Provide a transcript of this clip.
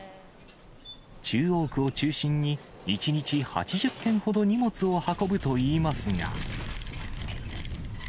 中央区を中心に、１日８０件ほど、荷物を運ぶといいますが。